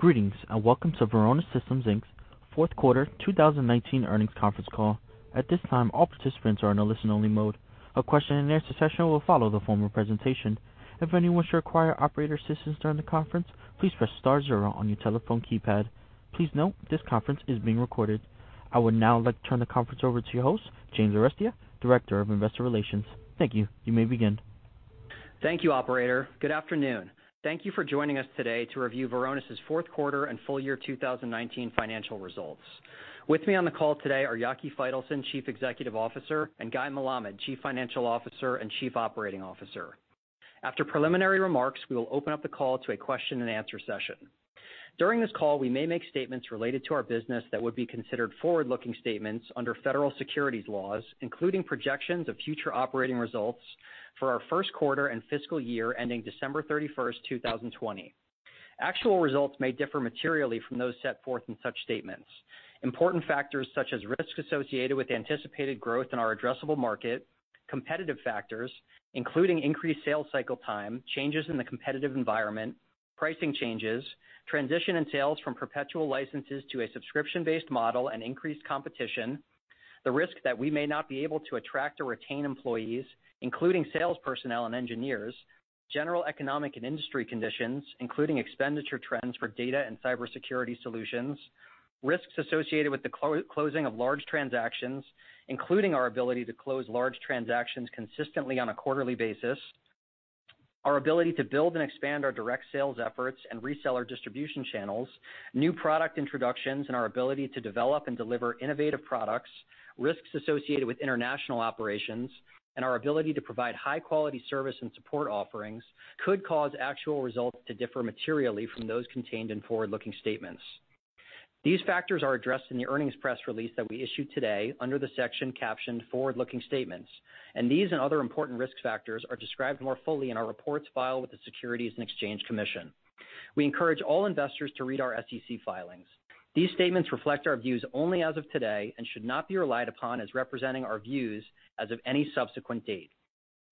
Greetings, and welcome to Varonis Systems, Inc.'s fourth quarter 2019 earnings conference call. At this time, all participants are in a listen-only mode. A question-and-answer session will follow the formal presentation. If anyone should require operator assistance during the conference, please press star zero on your telephone keypad. Please note this conference is being recorded. I would now like to turn the conference over to your host, James Arestia, Director of Investor Relations. Thank you. You may begin. Thank you, operator. Good afternoon. Thank you for joining us today to review Varonis' fourth quarter and full year 2019 financial results. With me on the call today are Yaki Faitelson, Chief Executive Officer, and Guy Melamed, Chief Financial Officer and Chief Operating Officer. After preliminary remarks, we will open up the call to a question-and-answer session. During this call, we may make statements related to our business that would be considered forward-looking statements under federal securities laws, including projections of future operating results for our first quarter and fiscal year ending December 31st, 2020. Actual results may differ materially from those set forth in such statements. Important factors such as risks associated with anticipated growth in our addressable market, competitive factors, including increased sales cycle time, changes in the competitive environment, pricing changes, transition in sales from perpetual licenses to a subscription-based model and increased competition, the risk that we may not be able to attract or retain employees, including sales personnel and engineers, general economic and industry conditions, including expenditure trends for data and cybersecurity solutions, risks associated with the closing of large transactions, including our ability to close large transactions consistently on a quarterly basis, our ability to build and expand our direct sales efforts and reseller distribution channels, new product introductions and our ability to develop and deliver innovative products, risks associated with international operations and our ability to provide high-quality service and support offerings could cause actual results to differ materially from those contained in forward-looking statements. These factors are addressed in the earnings press release that we issued today under the section captioned Forward-Looking Statements, and these and other important risk factors are described more fully in our reports filed with the Securities and Exchange Commission. We encourage all investors to read our SEC filings. These statements reflect our views only as of today and should not be relied upon as representing our views as of any subsequent date.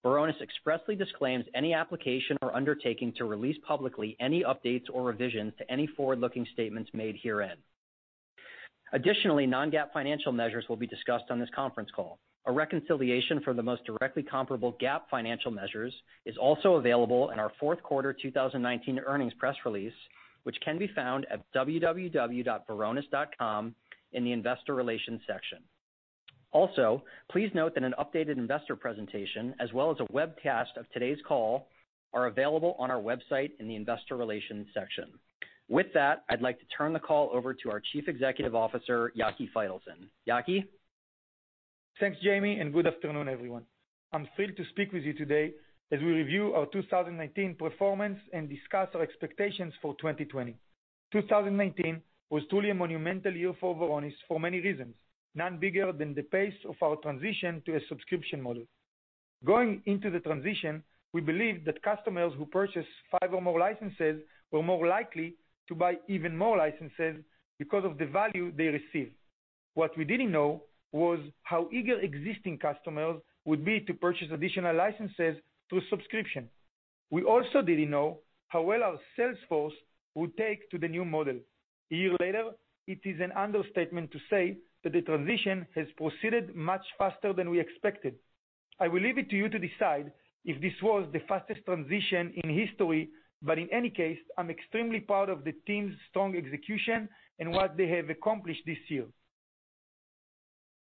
Varonis expressly disclaims any application or undertaking to release publicly any updates or revisions to any forward-looking statements made herein. Additionally, non-GAAP financial measures will be discussed on this conference call. A reconciliation for the most directly comparable GAAP financial measures is also available in our fourth quarter 2019 earnings press release, which can be found at www.varonis.com in the investor relations section. Please note that an updated investor presentation as well as a webcast of today's call are available on our website in the investor relations section. With that, I'd like to turn the call over to our Chief Executive Officer, Yaki Faitelson. Yaki? Thanks, Jamie, and good afternoon, everyone. I'm thrilled to speak with you today as we review our 2019 performance and discuss our expectations for 2020. 2019 was truly a monumental year for Varonis for many reasons, none bigger than the pace of our transition to a subscription model. Going into the transition, we believed that customers who purchased five or more licenses were more likely to buy even more licenses because of the value they received. What we didn't know was how eager existing customers would be to purchase additional licenses through subscription. We also didn't know how well our sales force would take to the new model. A year later, it is an understatement to say that the transition has proceeded much faster than we expected. I will leave it to you to decide if this was the fastest transition in history, but in any case, I'm extremely proud of the team's strong execution and what they have accomplished this year.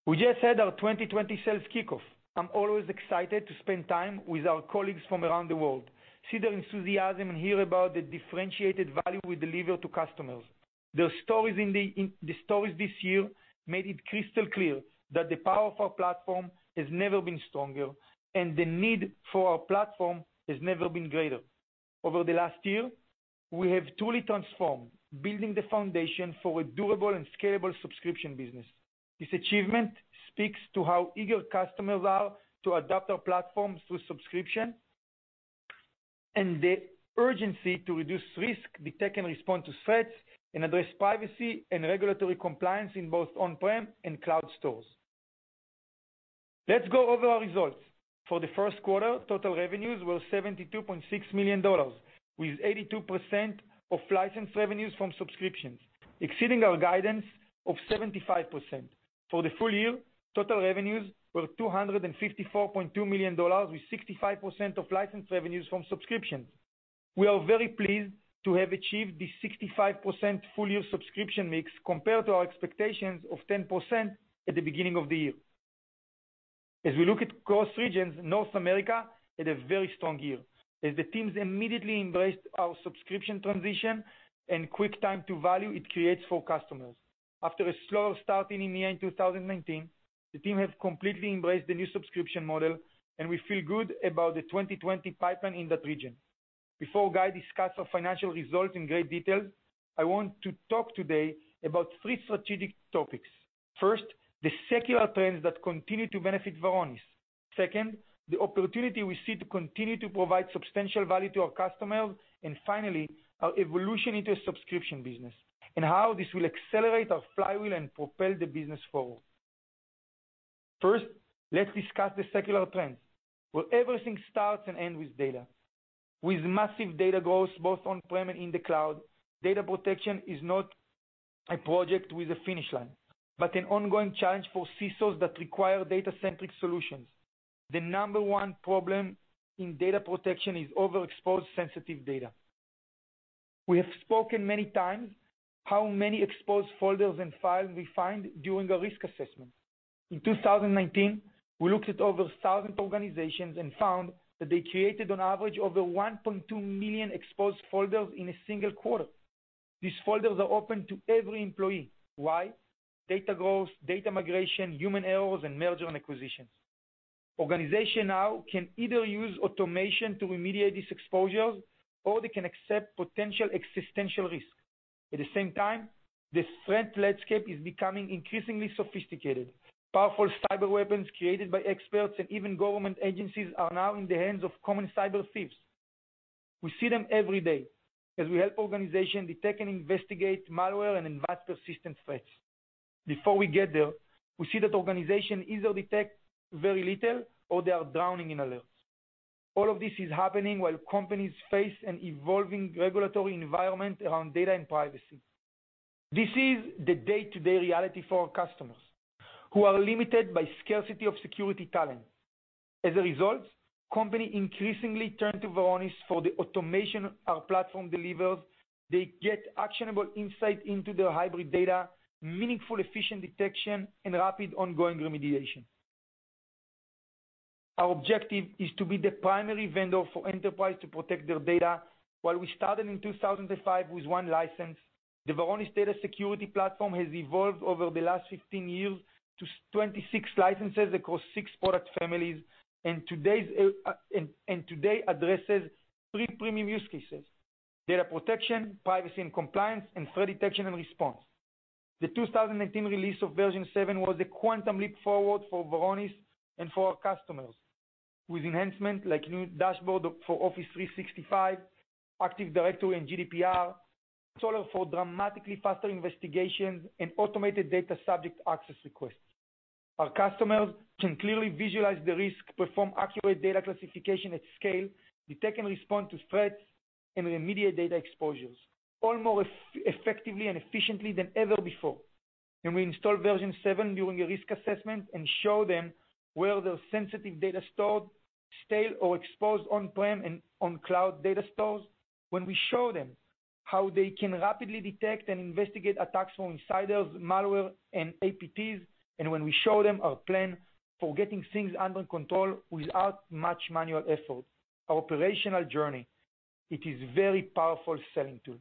We just had our 2020 sales kickoff. I'm always excited to spend time with our colleagues from around the world, see their enthusiasm, and hear about the differentiated value we deliver to customers. The stories this year made it crystal clear that the power of our platform has never been stronger, and the need for our platform has never been greater. Over the last year, we have truly transformed, building the foundation for a durable and scalable subscription business. This achievement speaks to how eager customers are to adopt our platforms through subscription and the urgency to reduce risk, detect, and respond to threats and address privacy and regulatory compliance in both on-prem and cloud stores. Let's go over our results. For the first quarter, total revenues were $72.6 million, with 82% of licensed revenues from subscriptions, exceeding our guidance of 75%. For the full year, total revenues were $254.2 million, with 65% of licensed revenues from subscriptions. We are very pleased to have achieved the 65% full-year subscription mix compared to our expectations of 10% at the beginning of the year. As we look at growth regions, North America had a very strong year as the teams immediately embraced our subscription transition and quick time to value it creates for customers. After a slower start in EMEA in 2019, the team has completely embraced the new subscription model, and we feel good about the 2020 pipeline in that region. Before Guy discuss our financial results in great detail, I want to talk today about three strategic topics. First, the secular trends that continue to benefit Varonis. Second, the opportunity we see to continue to provide substantial value to our customers. Finally, our evolution into a subscription business and how this will accelerate our flywheel and propel the business forward. First, let's discuss the secular trends, where everything starts and ends with data. With massive data growth both on-prem and in the cloud, data protection is not a project with a finish line, but an ongoing challenge for CSOs that require data-centric solutions. The number one problem in data protection is overexposed sensitive data. We have spoken many times how many exposed folders and files we find during a risk assessment. In 2019, we looked at over 1,000 organizations and found that they created on average over 1.2 million exposed folders in a single quarter. These folders are open to every employee. Why? Data growth, data migration, human errors, and merger and acquisitions. Organization now can either use automation to remediate these exposures, or they can accept potential existential risk. At the same time, the threat landscape is becoming increasingly sophisticated. Powerful cyber weapons created by experts and even government agencies are now in the hands of common cyber thieves. We see them every day as we help organizations detect and investigate malware and advanced persistent threats. Before we get there, we see that organizations either detect very little or they are drowning in alerts. All of this is happening while companies face an evolving regulatory environment around data and privacy. This is the day-to-day reality for our customers who are limited by scarcity of security talent. As a result, companies increasingly turn to Varonis for the automation our platform delivers. They get actionable insight into their hybrid data, meaningful efficient detection, and rapid ongoing remediation. Our objective is to be the primary vendor for enterprise to protect their data. While we started in 2005 with one license, the Varonis Data Security Platform has evolved over the last 15 years to 26 licenses across six product families, and today addresses three premium use cases: data protection, privacy and compliance, and threat detection and response. The 2019 release of version seven was a quantum leap forward for Varonis and for our customers. With enhancements like new dashboard for Office 365, Active Directory, and GDPR, it's all for dramatically faster investigation and automated data subject access requests. Our customers can clearly visualize the risk, perform accurate data classification at scale, detect, and respond to threats, and remediate data exposures, all more effectively and efficiently than ever before. When we install version seven during a risk assessment and show them where their sensitive data is stored, stale or exposed on-prem and on cloud data stores, when we show them how they can rapidly detect and investigate attacks from insiders, malware, and APTs, and when we show them our plan for getting things under control without much manual effort, our operational journey, it is very powerful selling tool.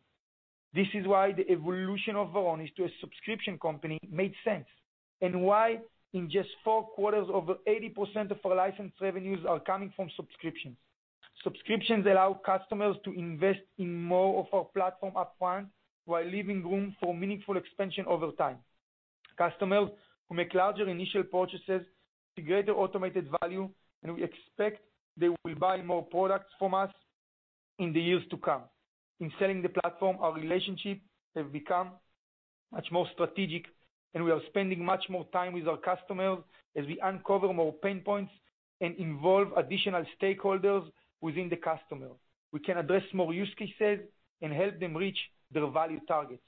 This is why the evolution of Varonis to a subscription company made sense, and why in just four quarters, over 80% of our license revenues are coming from subscriptions. Subscriptions allow customers to invest in more of our platform upfront while leaving room for meaningful expansion over time. Customers who make larger initial purchases get the automated value, and we expect they will buy more products from us in the years to come. In selling the platform, our relationships have become much more strategic, and we are spending much more time with our customers as we uncover more pain points and involve additional stakeholders within the customer. We can address more use cases and help them reach their value targets.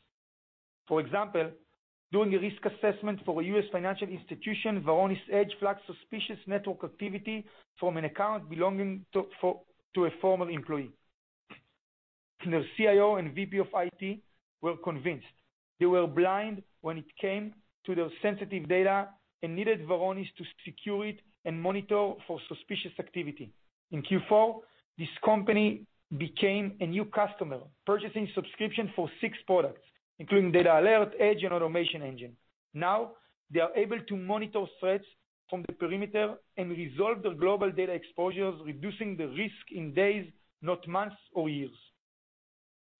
For example, doing a risk assessment for a U.S. financial institution, Varonis Edge flagged suspicious network activity from an account belonging to a former employee. Their CIO and VP of IT were convinced. They were blind when it came to their sensitive data and needed Varonis to secure it and monitor for suspicious activity. In Q4, this company became a new customer, purchasing subscription for six products, including DatAlert, Edge, and Automation Engine. Now, they are able to monitor threats from the perimeter and resolve their global data exposures, reducing the risk in days, not months or years.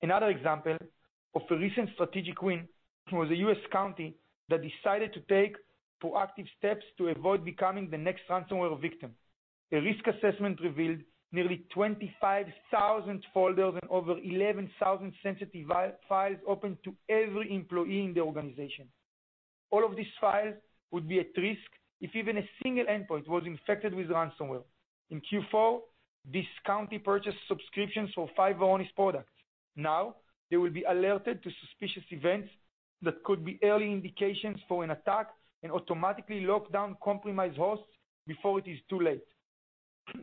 Another example of a recent strategic win was a U.S. county that decided to take proactive steps to avoid becoming the next ransomware victim. A risk assessment revealed nearly 25,000 folders and over 11,000 sensitive files open to every employee in the organization. All of these files would be at risk if even a single endpoint was infected with ransomware. In Q4, this county purchased subscriptions for five Varonis products. Now, they will be alerted to suspicious events that could be early indications for an attack and automatically lock down compromised hosts before it is too late.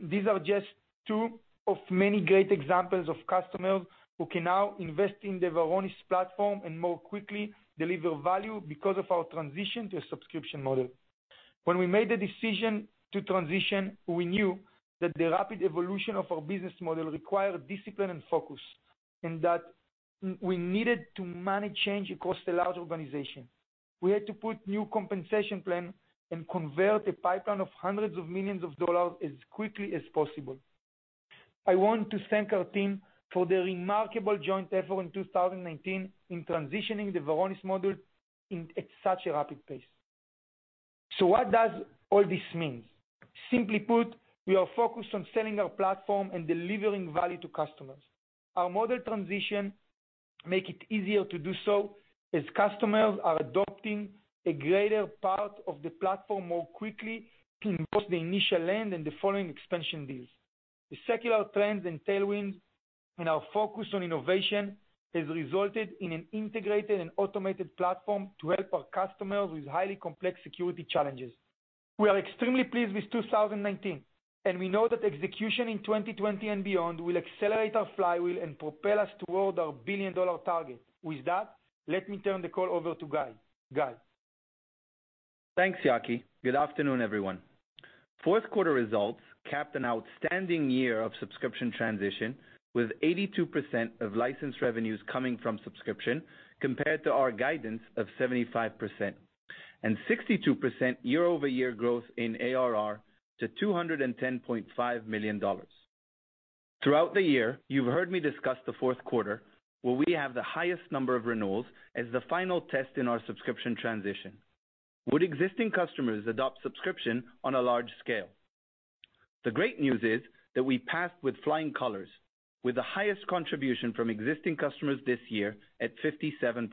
These are just two of many great examples of customers who can now invest in the Varonis platform and more quickly deliver value because of our transition to a subscription model. When we made the decision to transition, we knew that the rapid evolution of our business model required discipline and focus, and that we needed to manage change across a large organization. We had to put new compensation plan and convert a pipeline of hundreds of millions of dollars as quickly as possible. I want to thank our team for their remarkable joint effort in 2019 in transitioning the Varonis model at such a rapid pace. What does all this mean? Simply put, we are focused on selling our platform and delivering value to customers. Our model transition make it easier to do so as customers are adopting a greater part of the platform more quickly in both the initial land and the following expansion deals. The secular trends and tailwinds and our focus on innovation has resulted in an integrated and automated platform to help our customers with highly complex security challenges. We are extremely pleased with 2019, and we know that execution in 2020 and beyond will accelerate our flywheel and propel us toward our billion-dollar target. With that, let me turn the call over to Guy. Guy? Thanks, Yaki. Good afternoon, everyone. Fourth quarter results capped an outstanding year of subscription transition with 82% of licensed revenues coming from subscription compared to our guidance of 75%, and 62% year-over-year growth in ARR to $210.5 million. Throughout the year, you've heard me discuss the fourth quarter, where we have the highest number of renewals as the final test in our subscription transition. Would existing customers adopt subscription on a large scale? The great news is that we passed with flying colors with the highest contribution from existing customers this year at 57%.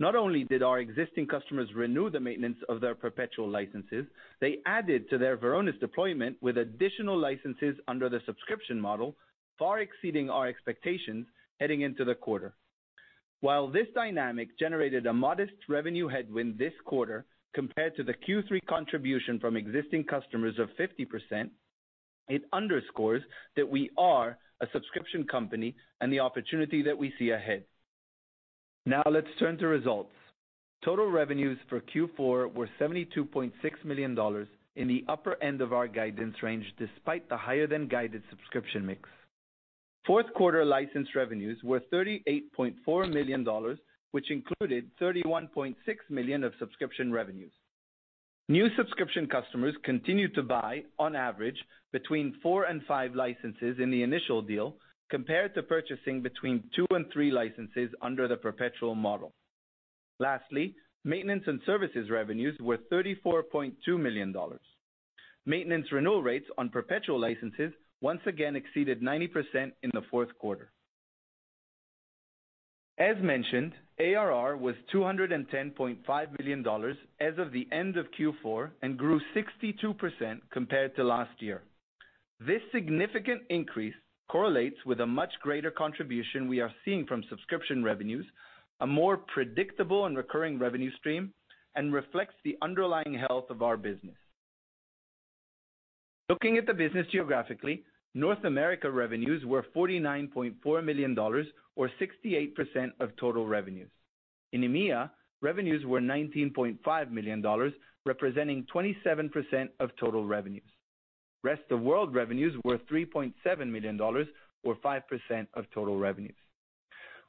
Not only did our existing customers renew the maintenance of their perpetual licenses, they added to their Varonis deployment with additional licenses under the subscription model, far exceeding our expectations heading into the quarter. While this dynamic generated a modest revenue headwind this quarter compared to the Q3 contribution from existing customers of 50%, it underscores that we are a subscription company and the opportunity that we see ahead. Let's turn to results. Total revenues for Q4 were $72.6 million in the upper end of our guidance range, despite the higher-than-guided subscription mix. Fourth quarter license revenues were $38.4 million, which included $31.6 million of subscription revenues. New subscription customers continued to buy, on average, between four and five licenses in the initial deal compared to purchasing between two and three licenses under the perpetual model. Maintenance and services revenues were $34.2 million. Maintenance renewal rates on perpetual licenses once again exceeded 90% in the fourth quarter. As mentioned, ARR was $210.5 million as of the end of Q4 and grew 62% compared to last year. This significant increase correlates with a much greater contribution we are seeing from subscription revenues, a more predictable and recurring revenue stream, and reflects the underlying health of our business. Looking at the business geographically, North America revenues were $49.4 million, or 68% of total revenues. In EMEA, revenues were $19.5 million, representing 27% of total revenues. Rest of world revenues were $3.7 million, or 5% of total revenues.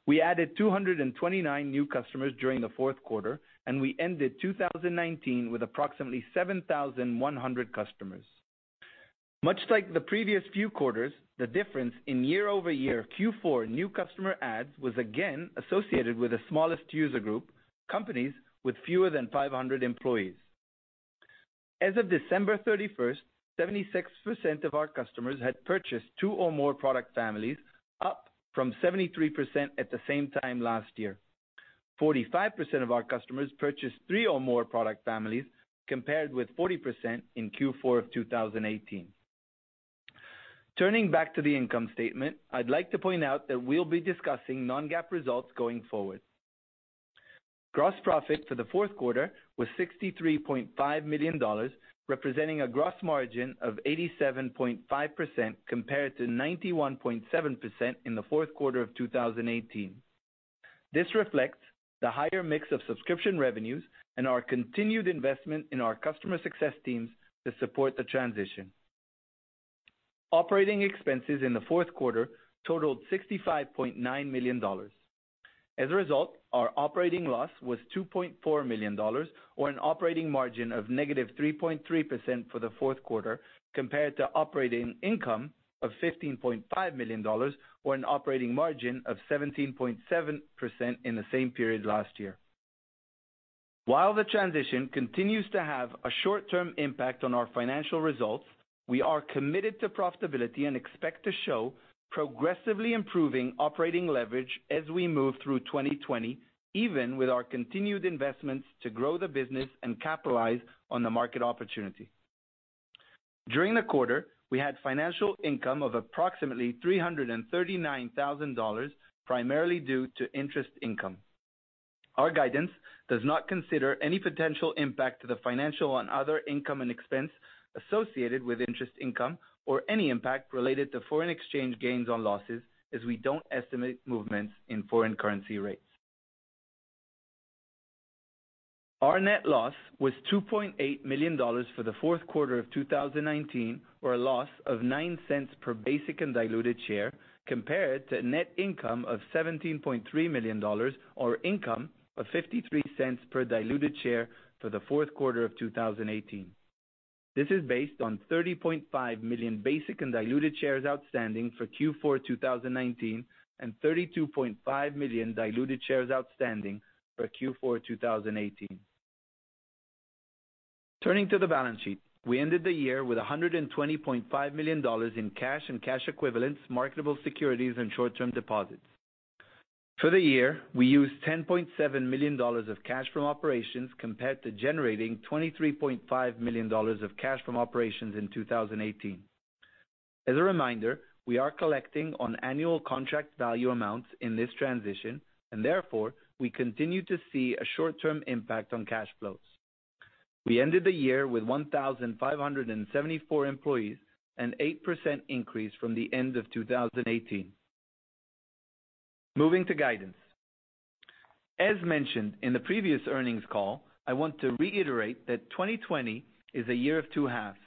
We added 229 new customers during the fourth quarter, and we ended 2019 with approximately 7,100 customers. Much like the previous few quarters, the difference in year-over-year Q4 new customer adds was again associated with the smallest user group, companies with fewer than 500 employees. As of December 31st, 76% of our customers had purchased two or more product families, up from 73% at the same time last year. 45% of our customers purchased three or more product families, compared with 40% in Q4 of 2018. Turning back to the income statement, I'd like to point out that we'll be discussing non-GAAP results going forward. Gross profit for the fourth quarter was $63.5 million, representing a gross margin of 87.5% compared to 91.7% in the fourth quarter of 2018. This reflects the higher mix of subscription revenues and our continued investment in our customer success teams to support the transition. Operating expenses in the fourth quarter totaled $65.9 million. As a result, our operating loss was $2.4 million, or an operating margin of -3.3% for the fourth quarter, compared to operating income of $15.5 million, or an operating margin of 17.7% in the same period last year. While the transition continues to have a short-term impact on our financial results, we are committed to profitability and expect to show progressively improving operating leverage as we move through 2020, even with our continued investments to grow the business and capitalize on the market opportunity. During the quarter, we had financial income of approximately $339,000, primarily due to interest income. Our guidance does not consider any potential impact to the financial and other income and expense associated with interest income or any impact related to foreign exchange gains or losses, as we don't estimate movements in foreign currency rates. Our net loss was $2.8 million for the fourth quarter of 2019, or a loss of $0.09 per basic and diluted share, compared to net income of $17.3 million, or income of $0.53 per diluted share for the fourth quarter of 2018. This is based on 30.5 million basic and diluted shares outstanding for Q4 2019, and 32.5 million diluted shares outstanding for Q4 2018. Turning to the balance sheet. We ended the year with $120.5 million in cash and cash equivalents, marketable securities, and short-term deposits. For the year, we used $10.7 million of cash from operations compared to generating $23.5 million of cash from operations in 2018. As a reminder, we are collecting on annual contract value amounts in this transition, and therefore, we continue to see a short-term impact on cash flows. We ended the year with 1,574 employees, an 8% increase from the end of 2018. Moving to guidance. As mentioned in the previous earnings call, I want to reiterate that 2020 is a year of two halves.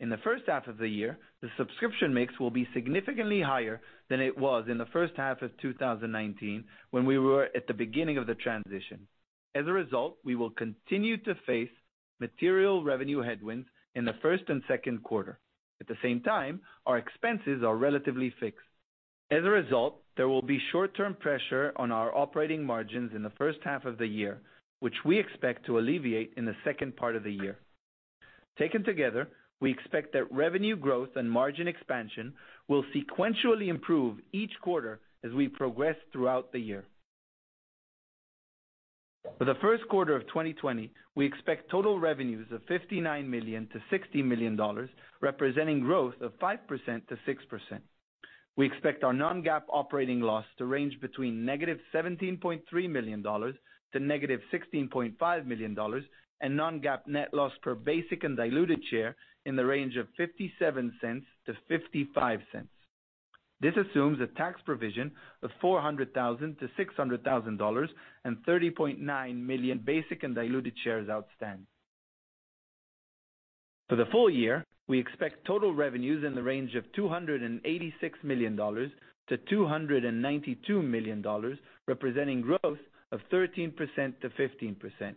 In the first half of the year, the subscription mix will be significantly higher than it was in the first half of 2019, when we were at the beginning of the transition. As a result, we will continue to face material revenue headwinds in the first and second quarter. At the same time, our expenses are relatively fixed. As a result, there will be short-term pressure on our operating margins in the first half of the year, which we expect to alleviate in the second part of the year. Taken together, we expect that revenue growth and margin expansion will sequentially improve each quarter as we progress throughout the year. For the first quarter of 2020, we expect total revenues of $59 million-$60 million, representing growth of 5%-6%. We expect our non-GAAP operating loss to range between -$17.3 million to -$16.5 million, and non-GAAP net loss per basic and diluted share in the range of $0.57-$0.55. This assumes a tax provision of $400,000-$600,000 and 30.9 million basic and diluted shares outstanding. For the full year, we expect total revenues in the range of $286 million-$292 million, representing growth of 13%-15%.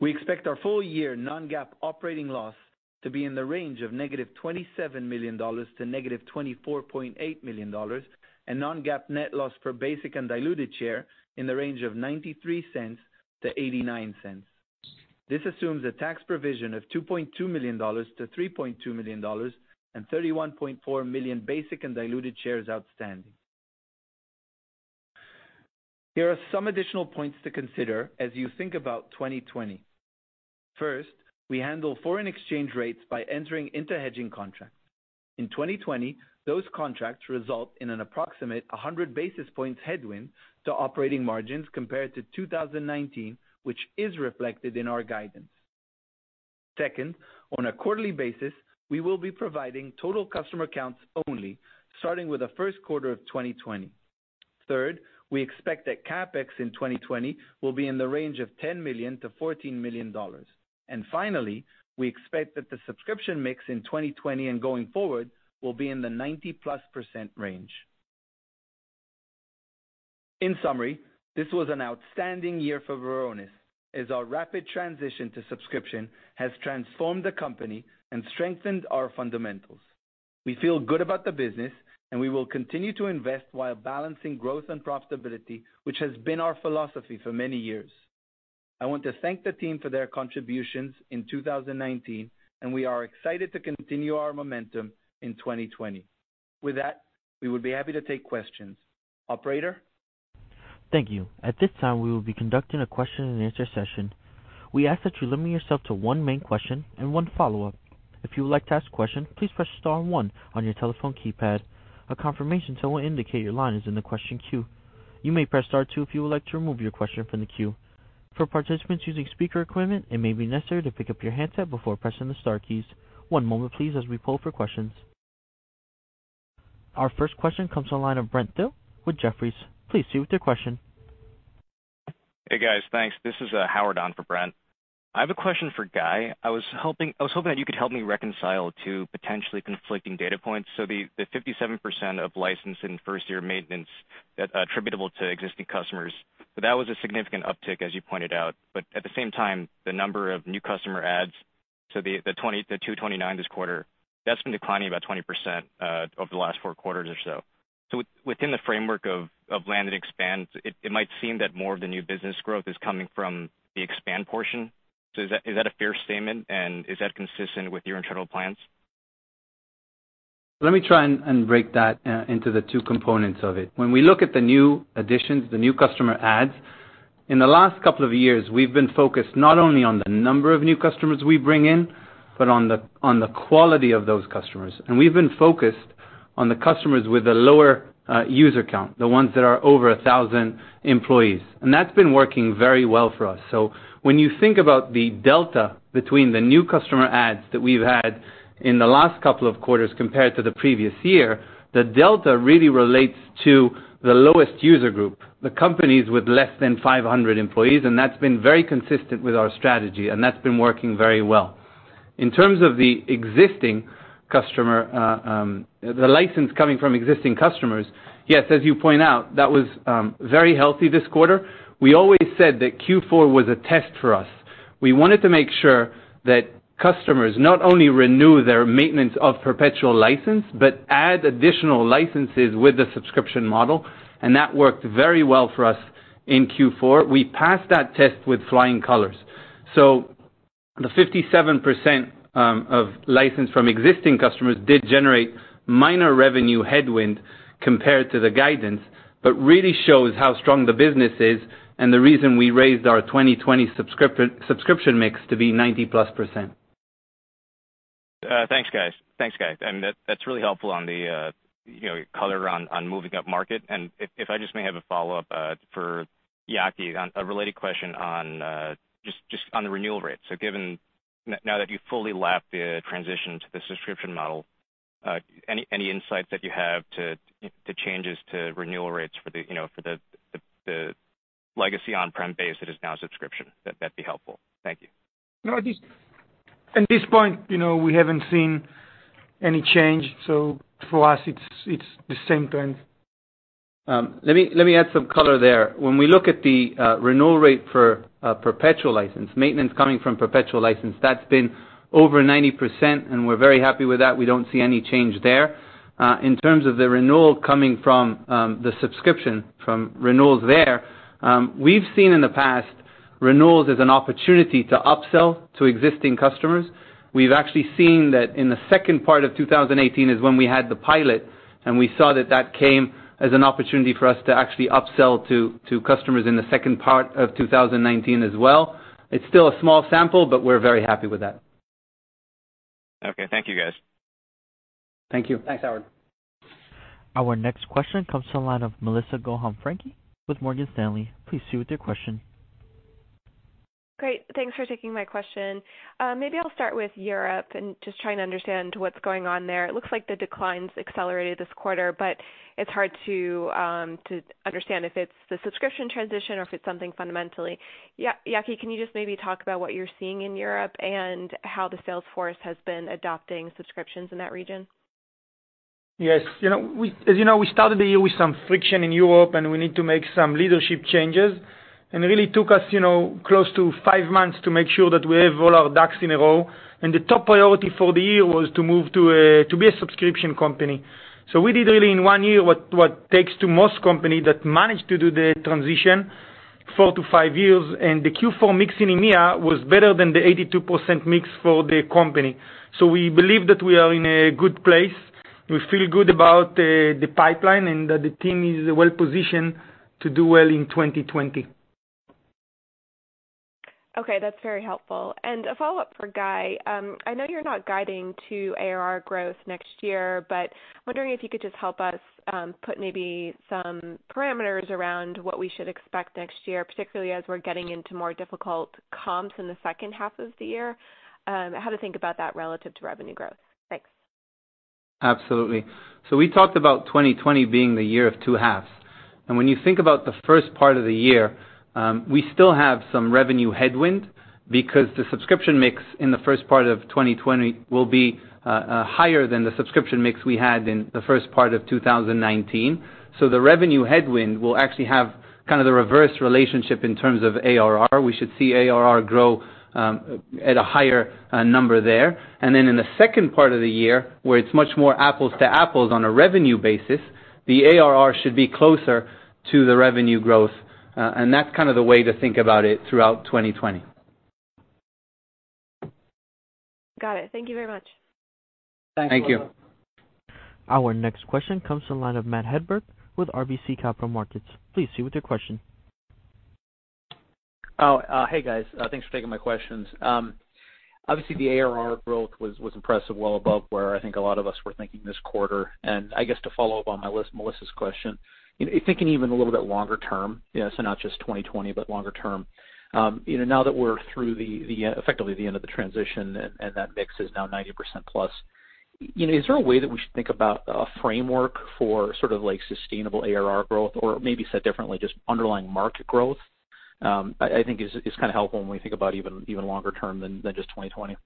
We expect our full-year non-GAAP operating loss to be in the range of -$27 million to -$24.8 million and non-GAAP net loss per basic and diluted share in the range of $0.93-$0.89. This assumes a tax provision of $2.2 million-$3.2 million and 31.4 million basic and diluted shares outstanding. Here are some additional points to consider as you think about 2020. First, we handle foreign exchange rates by entering into hedging contracts. In 2020, those contracts result in an approximate 100-basis-points headwind to operating margins compared to 2019, which is reflected in our guidance. Second, on a quarterly basis, we will be providing total customer counts only, starting with the first quarter of 2020. Third, we expect that CapEx in 2020 will be in the range of $10 million-$14 million. Finally, we expect that the subscription mix in 2020 and going forward will be in the 90%+ range. In summary, this was an outstanding year for Varonis. As our rapid transition to subscription has transformed the company and strengthened our fundamentals. We feel good about the business, and we will continue to invest while balancing growth and profitability, which has been our philosophy for many years. I want to thank the team for their contributions in 2019, and we are excited to continue our momentum in 2020. With that, we would be happy to take questions. Operator? Thank you. At this time, we will be conducting a question-and-answer session. We ask that you limit yourself to one main question and one follow-up. If you would like to ask a question, please press star one on your telephone keypad. A confirmation tone will indicate your line is in the question queue. You may press star two if you would like to remove your question from the queue. For participants using speaker equipment, it may be necessary to pick up your handset before pressing the star keys. One moment please as we poll for questions. Our first question comes to the line of Brent Thill with Jefferies. Please proceed with your question. Hey, guys. Thanks. This is Howard on for Brent. I have a question for Guy. I was hoping that you could help me reconcile two potentially conflicting data points. The 57% of license and first-year maintenance attributable to existing customers, that was a significant uptick, as you pointed out. At the same time, the number of new customer adds to the 229 this quarter, that's been declining about 20% over the last four quarters or so. Within the framework of land and expand, it might seem that more of the new business growth is coming from the expand portion. Is that a fair statement, and is that consistent with your internal plans? Let me try and break that into the two components of it. When we look at the new additions, the new customer adds, in the last couple of years, we've been focused not only on the number of new customers we bring in, but on the quality of those customers. We've been focused on the customers with a lower user count, the ones that are over 1,000 employees. That's been working very well for us. When you think about the delta between the new customer adds that we've had in the last couple of quarters compared to the previous year, the delta really relates to the lowest user group, the companies with less than 500 employees, and that's been very consistent with our strategy, and that's been working very well. In terms of the license coming from existing customers, yes, as you point out, that was very healthy this quarter. We always said that Q4 was a test for us. We wanted to make sure that customers not only renew their maintenance of perpetual license but add additional licenses with the subscription model, and that worked very well for us. In Q4, we passed that test with flying colors. The 57% of license from existing customers did generate minor revenue headwind compared to the guidance, but really shows how strong the business is and the reason we raised our 2020 subscription mix to be 90%+. Thanks, guys. That's really helpful on the color on moving up market. If I just may have a follow-up for Yaki, a related question on just on the renewal rate. Now that you've fully lapped the transition to the subscription model, any insights that you have to changes to renewal rates for the legacy on-prem base that is now subscription? That'd be helpful. Thank you. No, at this point, we haven't seen any change. For us, it's the same trend. Let me add some color there. When we look at the renewal rate for a perpetual license, maintenance coming from perpetual license, that's been over 90%, and we're very happy with that. We don't see any change there. In terms of the renewal coming from the subscription, from renewals there, we've seen in the past renewals as an opportunity to upsell to existing customers. We've actually seen that in the second part of 2018 is when we had the pilot, and we saw that that came as an opportunity for us to actually upsell to customers in the second part of 2019 as well. It's still a small sample, but we're very happy with that. Okay. Thank you, guys. Thank you. Thanks, Howard. Our next question comes to the line of Melissa Franchi with Morgan Stanley. Please proceed with your question. Great. Thanks for taking my question. Maybe I'll start with Europe and just trying to understand what's going on there. It looks like the declines accelerated this quarter, but it's hard to understand if it's the subscription transition or if it's something fundamental. Yaki, can you just maybe talk about what you're seeing in Europe and how the sales force has been adopting subscriptions in that region? Yes. As you know, we started the year with some friction in Europe, and we need to make some leadership changes. It really took us close to five months to make sure that we have all our ducks in a row. The top priority for the year was to be a subscription company. We did really in one year what takes to most company that managed to do the transition four to five years, and the Q4 mix in EMEA was better than the 82% mix for the company. We believe that we are in a good place. We feel good about the pipeline and that the team is well-positioned to do well in 2020. Okay, that's very helpful. A follow-up for Guy. I know you're not guiding to ARR growth next year, but wondering if you could just help us put maybe some parameters around what we should expect next year, particularly as we're getting into more difficult comps in the second half of the year, how to think about that relative to revenue growth. Thanks. Absolutely. We talked about 2020 being the year of two halves. When you think about the first part of the year, we still have some revenue headwind because the subscription mix in the first part of 2020 will be higher than the subscription mix we had in the first part of 2019. The revenue headwind will actually have kind of the reverse relationship in terms of ARR. We should see ARR grow at a higher number there. Then in the second part of the year, where it's much more apples to apples on a revenue basis, the ARR should be closer to the revenue growth. That's kind of the way to think about it throughout 2020. Got it. Thank you very much. Thank you. Thanks. Our next question comes to the line of Matt Hedberg with RBC Capital Markets. Please proceed with your question. Hey, guys, thanks for taking my questions. Obviously, the ARR growth was impressive, well above where I think a lot of us were thinking this quarter. I guess to follow up on Melissa's question, thinking even a little bit longer term, so not just 2020, but longer term. Now that we're through effectively the end of the transition and that mix is now 90% plus, is there a way that we should think about a framework for sort of sustainable ARR growth? Maybe said differently, just underlying market growth? I think is kind of helpful when we think about even longer term than just 2020. Yes.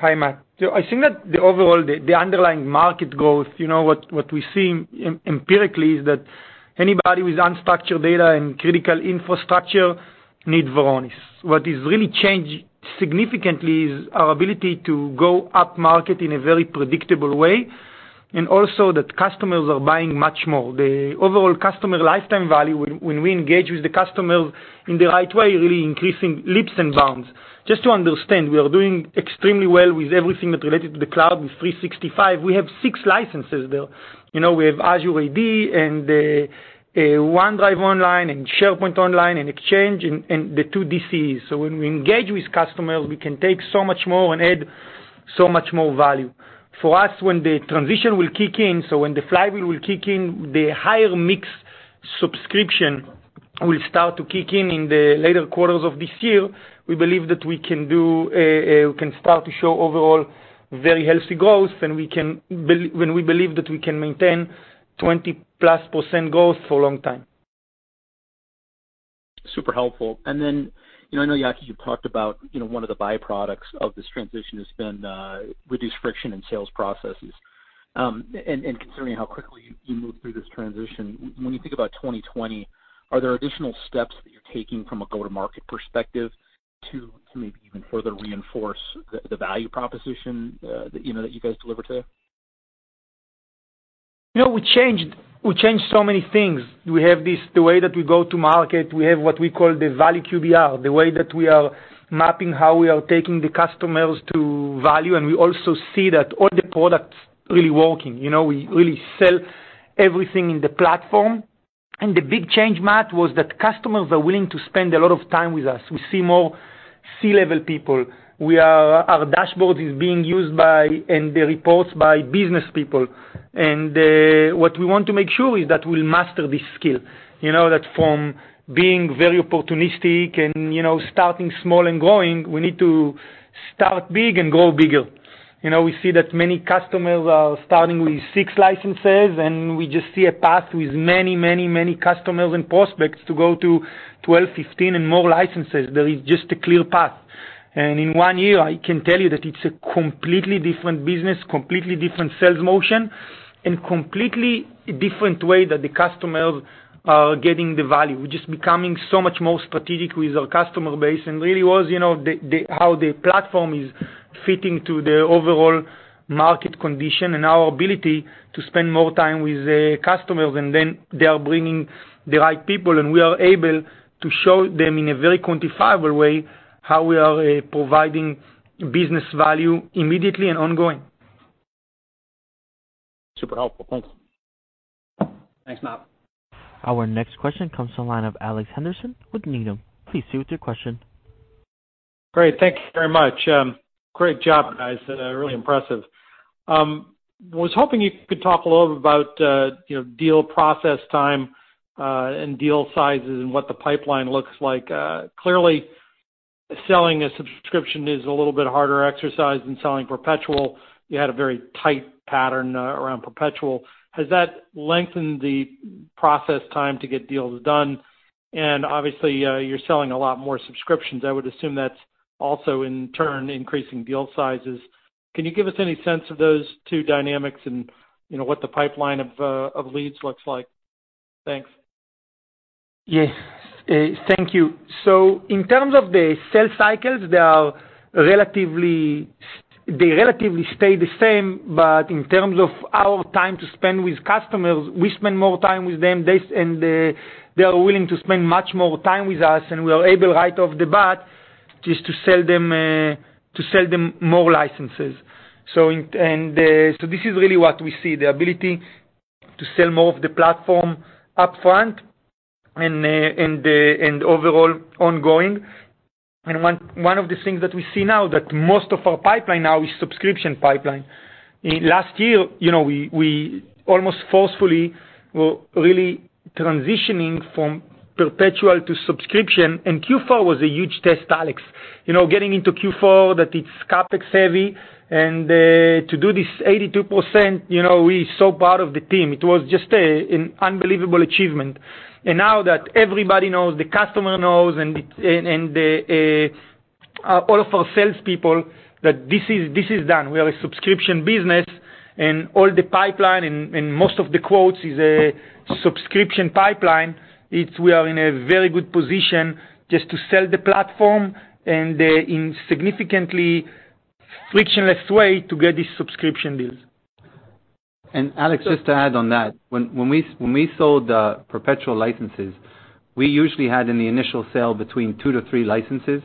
Hi, Matt. I think that the overall, the underlying market growth, what we're seeing empirically is that anybody with unstructured data and critical infrastructure needs Varonis. What is really changed significantly is our ability to go upmarket in a very predictable way, and also that customers are buying much more. The overall customer lifetime value, when we engage with the customers in the right way, really increasing leaps and bounds. Just to understand, we are doing extremely well with everything that related to the cloud with 365. We have six licenses there. We have Azure AD and OneDrive Online and SharePoint Online and Exchange and the two DCEs. When we engage with customers, we can take so much more and add so much more value. For us, when the transition will kick in, so when the flywheel will kick in, the higher mix subscription will start to kick in the later quarters of this year. We believe that we can start to show overall very healthy growth, and we believe that we can maintain 20%+ growth for a long time. Super helpful. I know, Yaki, you talked about one of the byproducts of this transition has been reduced friction in sales processes. Considering how quickly you moved through this transition, when you think about 2020, are there additional steps that you're taking from a go-to-market perspective to maybe even further reinforce the value proposition that you guys deliver today? We changed so many things. We have the way that we go to market. We have what we call the value QBR, the way that we are mapping how we are taking the customers to value. We also see that all the products really working. We really sell everything in the platform. The big change, Matt, was that customers are willing to spend a lot of time with us. We see more C-level people. Our dashboard is being used by, and the reports, by business people. What we want to make sure is that we'll master this skill. That from being very opportunistic and starting small and growing, we need to start big and grow bigger. We see that many customers are starting with six licenses, and we just see a path with many customers and prospects to go to 12, 15, and more licenses. There is just a clear path. In one year, I can tell you that it's a completely different business, completely different sales motion, and completely different way that the customers are getting the value. We're just becoming so much more strategic with our customer base, and really was how the platform is fitting to the overall market condition and our ability to spend more time with customers. They are bringing the right people, and we are able to show them in a very quantifiable way how we are providing business value immediately and ongoing. Super helpful. Thanks. Thanks, Matt. Our next question comes from line of Alex Henderson with Needham. Please proceed with your question. Great. Thank you very much. Great job, guys. Really impressive. Was hoping you could talk a little bit about deal process time and deal sizes and what the pipeline looks like. Clearly, selling a subscription is a little bit harder exercise than selling perpetual. You had a very tight pattern around perpetual. Has that lengthened the process time to get deals done? Obviously, you're selling a lot more subscriptions. I would assume that's also in turn increasing deal sizes. Can you give us any sense of those two dynamics and what the pipeline of leads looks like? Thanks. Yes. Thank you. In terms of the sales cycles, they relatively stay the same, but in terms of our time to spend with customers, we spend more time with them, and they are willing to spend much more time with us, and we are able, right off the bat, just to sell them more licenses. This is really what we see, the ability to sell more of the platform upfront and overall ongoing. One of the things that we see now, that most of our pipeline now is subscription pipeline. Last year, we almost forcefully were really transitioning from perpetual to subscription, and Q4 was a huge test, Alex. Getting into Q4, that it's CapEx heavy, and to do this 82%, we are so proud of the team. It was just an unbelievable achievement. Now that everybody knows, the customer knows, and all of our salespeople, that this is done. We are a subscription business, all the pipeline and most of the quotes is a subscription pipeline. We are in a very good position just to sell the platform and in significantly frictionless way to get these subscription deals. Alex, just to add on that, when we sold the perpetual licenses, we usually had in the initial sale between two to three licenses.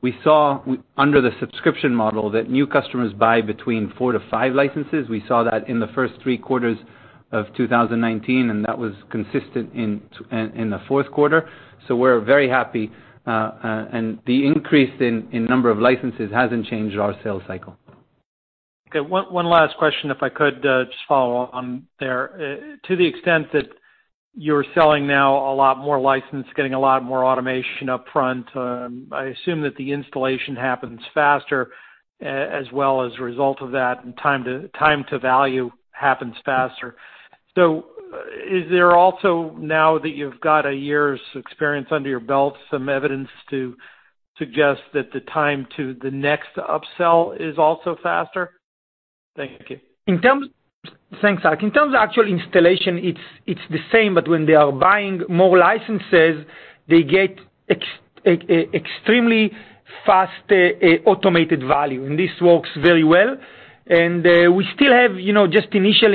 We saw under the subscription model that new customers buy between four to five licenses. We saw that in the first three quarters of 2019, and that was consistent in the fourth quarter. We're very happy. The increase in number of licenses hasn't changed our sales cycle. Okay. One last question, if I could just follow on there. To the extent that you're selling now a lot more license, getting a lot more automation upfront, I assume that the installation happens faster as well as a result of that, and time to value happens faster. Is there also, now that you've got a year's experience under your belt, some evidence to suggest that the time to the next upsell is also faster? Thank you. Thanks, Alex. In terms of actual installation, it's the same, but when they are buying more licenses, they get extremely fast automated value, and this works very well. We still have just initial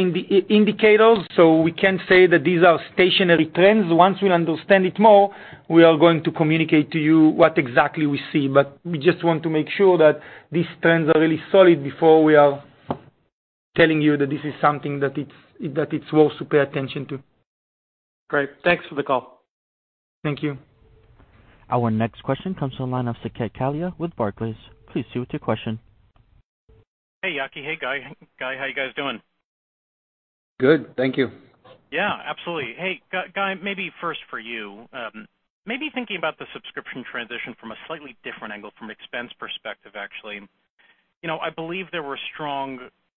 indicators, so we can't say that these are stationary trends. Once we understand it more, we are going to communicate to you what exactly we see. We just want to make sure that these trends are really solid before we are telling you that this is something that it's worth to pay attention to. Great. Thanks for the call. Thank you. Our next question comes from the line of Saket Kalia with Barclays. Please proceed with your question. Hey, Yaki. Hey, Guy. Guy, how you guys doing? Good. Thank you. Yeah, absolutely. Hey, Guy, maybe first for you. Maybe thinking about the subscription transition from a slightly different angle, from expense perspective, actually. I believe there were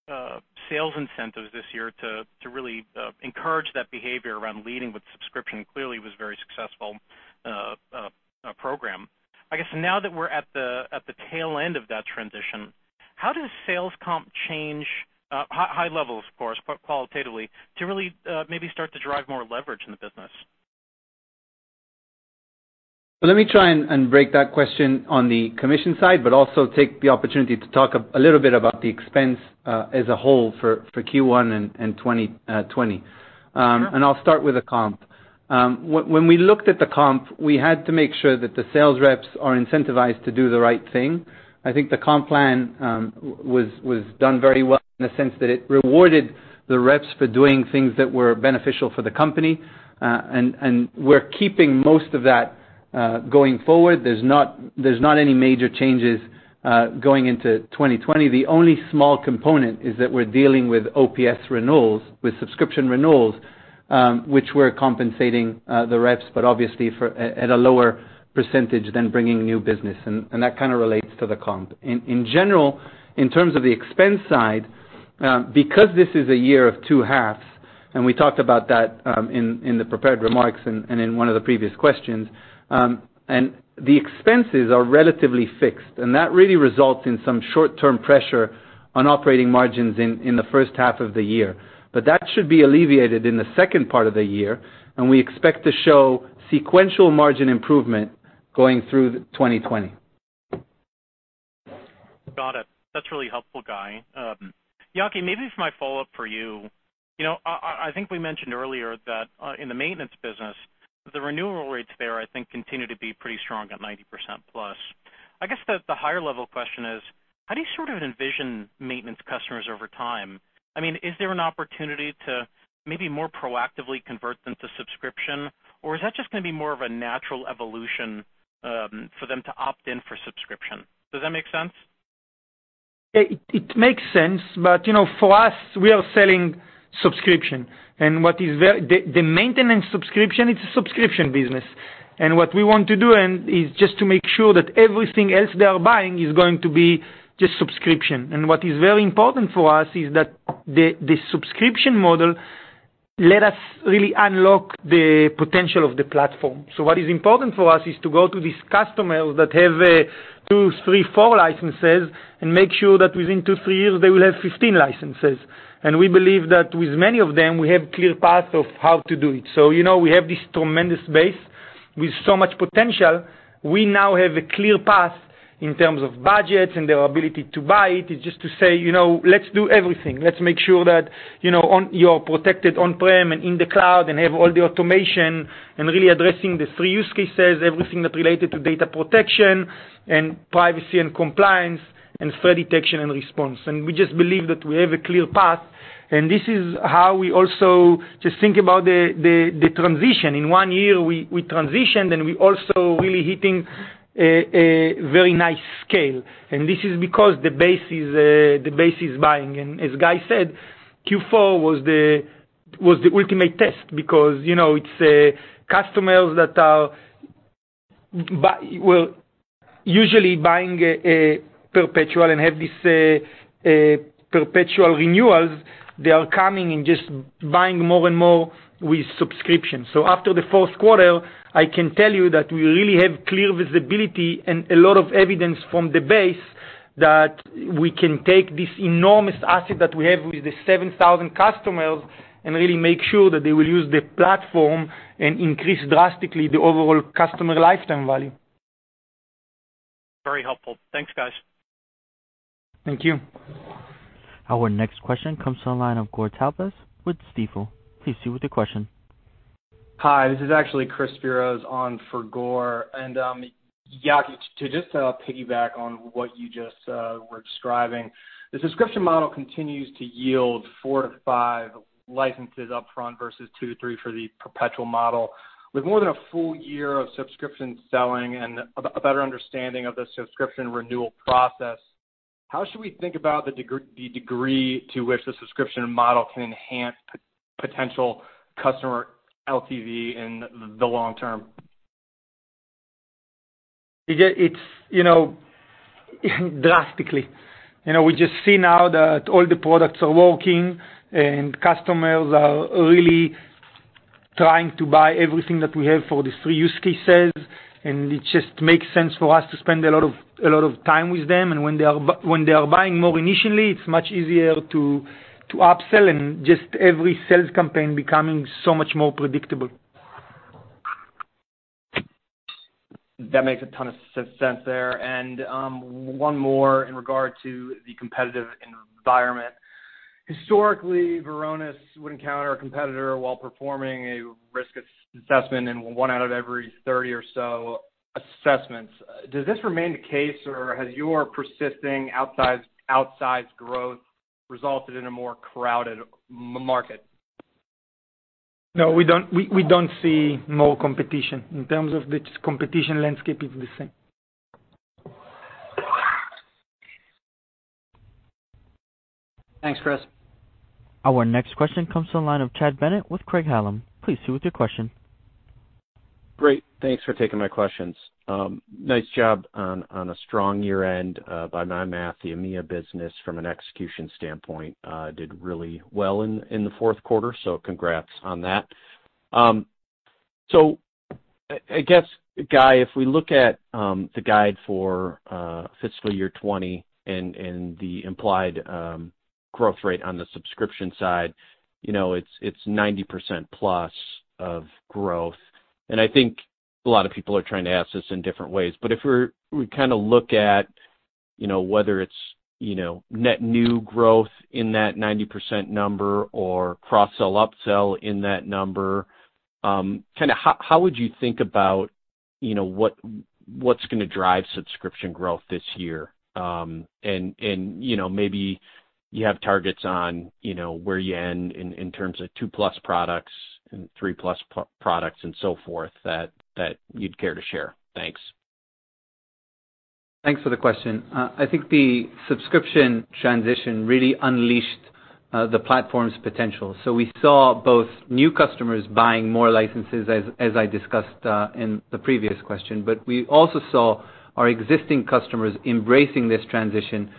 strong sales incentives this year to really encourage that behavior around leading with subscription. It clearly was a very successful program. I guess now that we're at the tail end of that transition, how does sales comp change, high level, of course, qualitatively, to really maybe start to drive more leverage in the business? Let me try and break that question on the commission side, but also take the opportunity to talk a little bit about the expense as a whole for Q1 and 2020. I'll start with the comp. When we looked at the comp, we had to make sure that the sales reps are incentivized to do the right thing. I think the comp plan was done very well in the sense that it rewarded the reps for doing things that were beneficial for the company. We're keeping most of that going forward. There's not any major changes going into 2020. The only small component is that we're dealing with Ops renewals, with subscription renewals, which we're compensating the reps, but obviously at a lower percentage than bringing new business. That kind of relates to the comp. In general, in terms of the expense side, because this is a year of two halves, and we talked about that in the prepared remarks and in one of the previous questions. The expenses are relatively fixed, and that really results in some short-term pressure on operating margins in the first half of the year. That should be alleviated in the second part of the year, and we expect to show sequential margin improvement going through 2020. Got it. That's really helpful, Guy. Yaki, maybe for my follow-up for you. I think we mentioned earlier that in the maintenance business, the renewal rates there, I think, continue to be pretty strong at 90% plus. I guess the higher level question is, how do you sort of envision maintenance customers over time? Is there an opportunity to maybe more proactively convert them to subscription? Or is that just going to be more of a natural evolution for them to opt in for subscription? Does that make sense? It makes sense. For us, we are selling subscription. The maintenance subscription, it's a subscription business. What we want to do is just to make sure that everything else they are buying is going to be just subscription. What is very important for us is that the subscription model let us really unlock the potential of the platform. What is important for us is to go to these customers that have two, three, four licenses and make sure that within two, three years, they will have 15 licenses. We believe that with many of them, we have clear path of how to do it. We have this tremendous base with so much potential. We now have a clear path in terms of budgets and their ability to buy it. It's just to say, "Let's do everything. Let's make sure that you're protected on-prem and in the cloud, and have all the automation, and really addressing the three use cases, everything that related to data protection and privacy and compliance, and threat detection and response. We just believe that we have a clear path, and this is how we also just think about the transition. In one year, we transitioned, and we also really hitting a very nice scale. This is because the base is buying. As Guy said, Q4 was the ultimate test because it's customers that are usually buying perpetual and have this perpetual renewals. They are coming and just buying more and more with subscription. After the fourth quarter, I can tell you that we really have clear visibility and a lot of evidence from the base that we can take this enormous asset that we have with the 7,000 customers and really make sure that they will use the platform and increase drastically the overall customer lifetime value. Very helpful. Thanks, guys. Thank you. Our next question comes to the line of Gur Talpaz with Stifel. Please proceed with your question. Hi, this is actually Chris Speros on for Gur. Yaki, to just piggyback on what you just were describing. The subscription model continues to yield four to five licenses upfront versus two to three for the perpetual model. With more than a full year of subscription selling and a better understanding of the subscription renewal process, how should we think about the degree to which the subscription model can enhance potential customer LTV in the long term? Drastically. We just see now that all the products are working and customers are really trying to buy everything that we have for these three use cases, and it just makes sense for us to spend a lot of time with them. When they are buying more initially, it's much easier to upsell and just every sales campaign becoming so much more predictable. That makes a ton of sense there. One more in regard to the competitive environment. Historically, Varonis would encounter a competitor while performing a risk assessment in one out of every 30 or so assessments. Does this remain the case, or has your persisting outsized growth resulted in a more crowded market? No, we don't see more competition. In terms of the competition landscape, it's the same. Thanks, Chris. Our next question comes to the line of Chad Bennett with Craig-Hallum. Please proceed with your question. Great. Thanks for taking my questions. Nice job on a strong year-end. By my math, the EMEA business from an execution standpoint, did really well in the fourth quarter. Congrats on that. I guess, Guy, if we look at the guide for fiscal year 2020 and the implied growth rate on the subscription side, it's 90%+ of growth. I think a lot of people are trying to ask this in different ways, but if we look at whether it's net new growth in that 90% number or cross-sell, upsell in that number, how would you think about what's going to drive subscription growth this year? Maybe you have targets on where you end in terms of 2+ products and 3+ products and so forth that you'd care to share. Thanks. Thanks for the question. I think the subscription transition really unleashed the platform's potential. We saw both new customers buying more licenses, as I discussed in the previous question, but we also saw our existing customers embracing this transition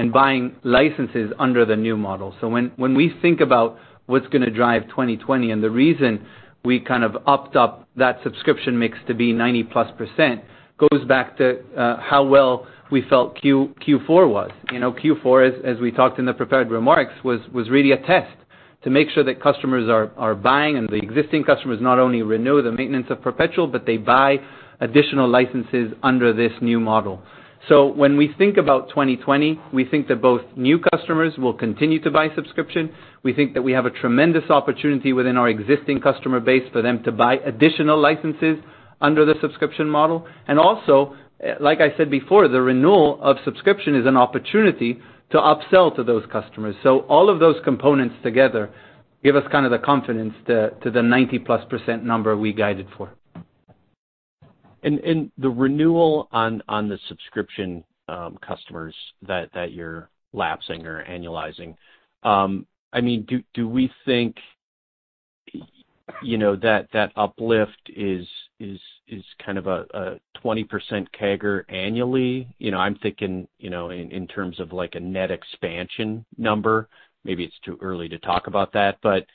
and buying licenses under the new model. When we think about what's going to drive 2020, and the reason we opt-up that subscription mix to be 90%+, goes back to how well we felt Q4 was. Q4, as we talked in the prepared remarks, was really a test to make sure that customers are buying and the existing customers not only renew the maintenance of perpetual, but they buy additional licenses under this new model. When we think about 2020, we think that both new customers will continue to buy subscription. We think that we have a tremendous opportunity within our existing customer base for them to buy additional licenses under the subscription model. Also, like I said before, the renewal of subscription is an opportunity to upsell to those customers. All of those components together give us the confidence to the 90%+ number we guided for. The renewal on the subscription customers that you're lapsing or annualizing, do we think that uplift is a 20% CAGR annually? I'm thinking in terms of a net expansion number. Maybe it's too early to talk about that, but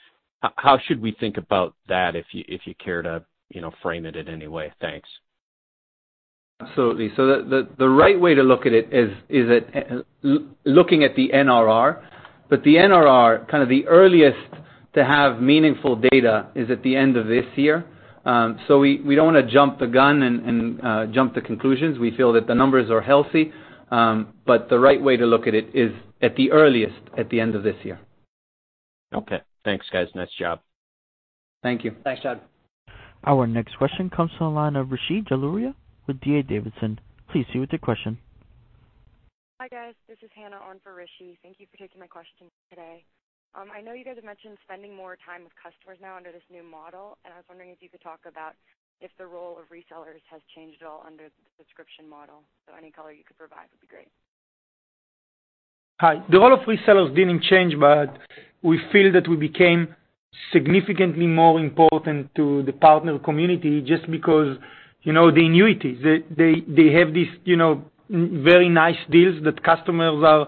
how should we think about that if you care to frame it in any way? Thanks. Absolutely. The right way to look at it is looking at the NRR, but the NRR, the earliest to have meaningful data is at the end of this year. We don't want to jump the gun and jump to conclusions. We feel that the numbers are healthy, but the right way to look at it is at the earliest at the end of this year. Okay. Thanks, guys. Nice job. Thank you. Thanks, Chad. Our next question comes from the line of Rishi Jaluria with D.A. Davidson. Please proceed with your question. Hi, guys. This is Hannah on for Rishi. Thank you for taking my question today. I know you guys have mentioned spending more time with customers now under this new model. I was wondering if you could talk about if the role of resellers has changed at all under the subscription model. Any color you could provide would be great. Hi. The role of resellers didn't change. We feel that we became significantly more important to the partner community just because the annuities. They have these very nice deals that customers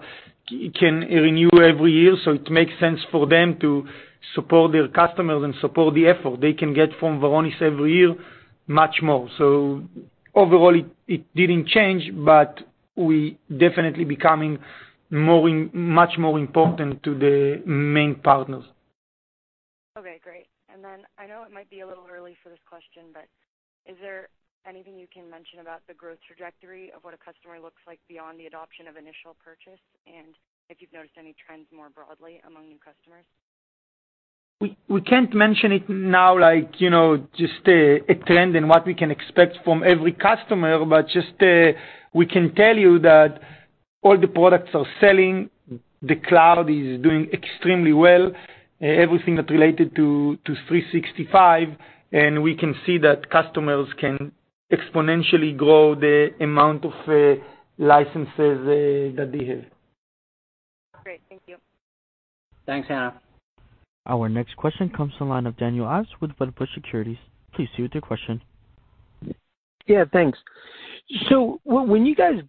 can renew every year, it makes sense for them to support their customers and support the effort. They can get from Varonis every year much more. Overall, it didn't change, but we definitely becoming much more important to the main partners. Okay, great. I know it might be a little early for this question, but is there anything you can mention about the growth trajectory of what a customer looks like beyond the adoption of initial purchase, and if you've noticed any trends more broadly among new customers? We can't mention it now like just a trend and what we can expect from every customer, but just we can tell you that all the products are selling. The cloud is doing extremely well, everything that related to 365, and we can see that customers can exponentially grow the amount of licenses that they have. Great. Thank you. Thanks, Hannah. Our next question comes from the line of Daniel Ives with Wedbush Securities. Please proceed with your question. Yeah, thanks. When you get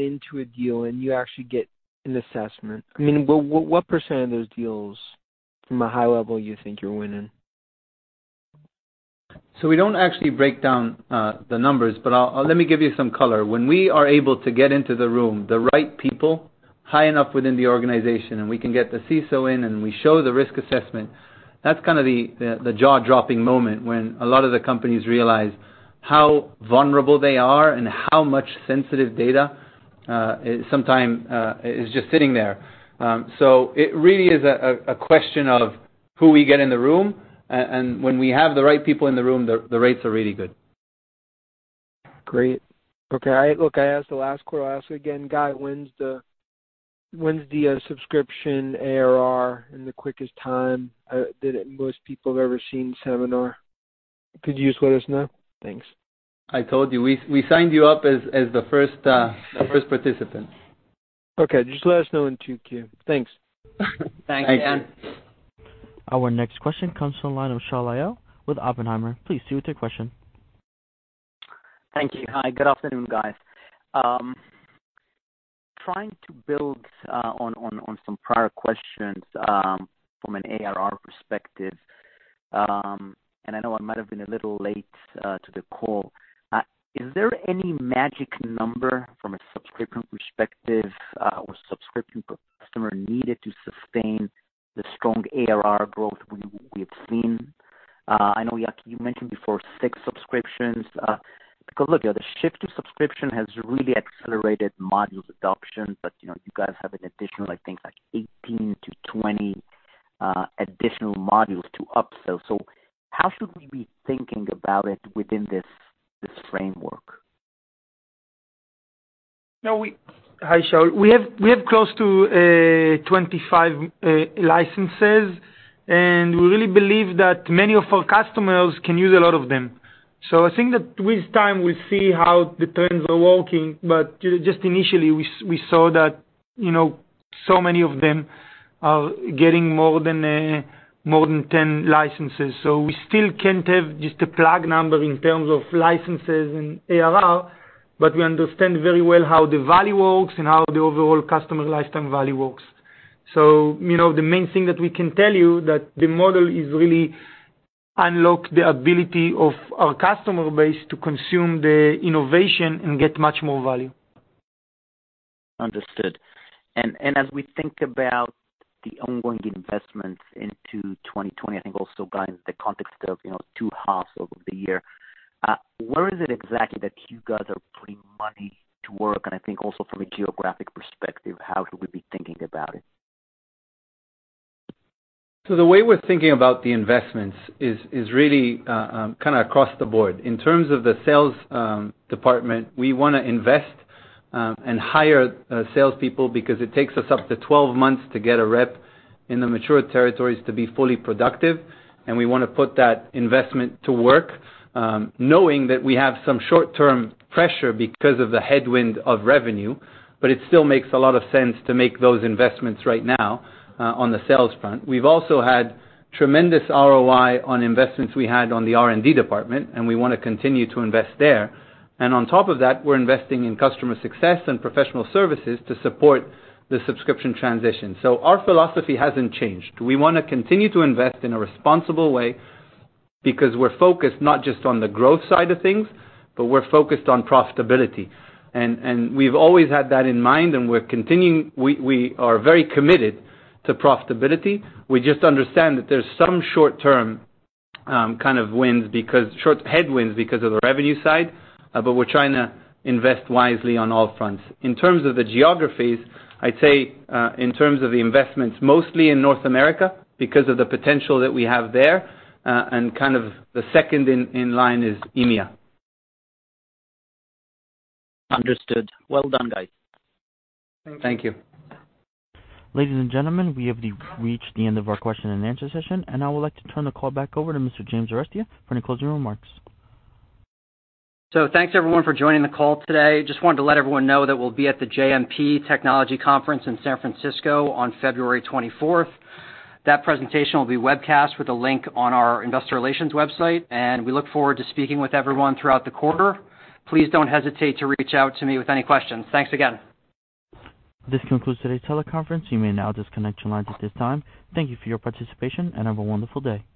into a deal and you actually get an assessment, what percent of deals from a high level you think you're winning? We don't actually break down the numbers, but let me give you some color. When we are able to get into the room, the right people, high enough within the organization, and we can get the CISO in and we show the risk assessment, that's the jaw-dropping moment when a lot of the companies realize how vulnerable they are and how much sensitive data sometimes is just sitting there. It really is a question of who we get in the room, and when we have the right people in the room, the rates are really good. Great. Okay. Look, I asked the last quarter, I'll ask you again, Guy, when's the subscription ARR in the quickest time that most people have ever seen similar? Could you just let us know? Thanks. I told you, we signed you up as the first participant. Okay. Just let us know when to queue. Thanks. Thanks, Dan. Our next question comes from the line of Shaul Eyal with Oppenheimer. Please proceed with your question. Thank you. Hi, good afternoon, guys. Trying to build on some prior questions, from an ARR perspective I know I might have been a little late to the call. Is there any magic number from a subscription perspective, or subscription customer needed to sustain the strong ARR growth we've seen? I know, Yaki, you mentioned before six subscriptions. Look, the shift to subscription has really accelerated modules adoption, but you guys have an additional, I think like 18-20 additional modules to upsell. How should we be thinking about it within this framework? Hi, Shaul. We have close to 25 licenses. We really believe that many of our customers can use a lot of them. I think that with time, we'll see how the trends are working. Just initially, we saw that so many of them are getting more than 10 licenses. We still can't have just a plug number in terms of licenses and ARR. We understand very well how the value works and how the overall customer lifetime value works. The main thing that we can tell you that the model is really unlock the ability of our customer base to consume the innovation and get much more value. Understood. As we think about the ongoing investments into 2020, I think also, guys, the context of two halves of the year, where is it exactly that you guys are putting money to work? I think also from a geographic perspective, how should we be thinking about it? The way we're thinking about the investments is really kind of across the board. In terms of the sales department, we want to invest and hire salespeople because it takes us up to 12 months to get a rep in the mature territories to be fully productive, and we want to put that investment to work, knowing that we have some short-term pressure because of the headwind of revenue, but it still makes a lot of sense to make those investments right now on the sales front. We've also had tremendous ROI on investments we had on the R&D department, and we want to continue to invest there. On top of that, we're investing in customer success and professional services to support the subscription transition. Our philosophy hasn't changed. We want to continue to invest in a responsible way because we're focused not just on the growth side of things, but we're focused on profitability. We've always had that in mind, and we are very committed to profitability. We just understand that there's some short-term kind of headwinds because of the revenue side, but we're trying to invest wisely on all fronts. In terms of the geographies, I'd say, in terms of the investments, mostly in North America because of the potential that we have there, and kind of the second in line is EMEA. Understood. Well done, guys. Thank you. Thank you. Ladies and gentlemen, we have reached the end of our question and answer session, and I would like to turn the call back over to Mr. James Arestia for any closing remarks. Thanks everyone for joining the call today. Just wanted to let everyone know that we'll be at the JMP Technology Conference in San Francisco on February 24th. That presentation will be webcast with a link on our investor relations website, and we look forward to speaking with everyone throughout the quarter. Please don't hesitate to reach out to me with any questions. Thanks again. This concludes today's teleconference. You may now disconnect your lines at this time. Thank you for your participation. Have a wonderful day.